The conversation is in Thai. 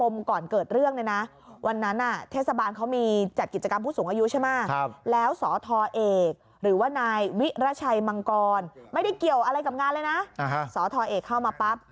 มีจัดกิจกรรมผู้สูงอยู่ใช่มะครับแล้วสตเอกหรือว่านายวิรชัยมังกรไม่ได้เกี่ยวอะไรกับ้านเลยนะสตเอกเข้ามาปั๊บ